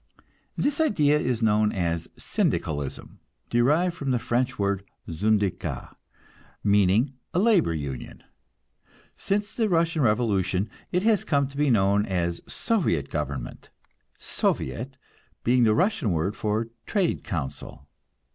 This idea is known as Syndicalism, derived from the French word "syndicat," meaning a labor union. Since the Russian revolution it has come to be known as soviet government, "soviet" being the Russian word for trade council.